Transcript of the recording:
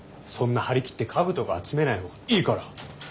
そんな張り切って家具とか集めない方がいいから。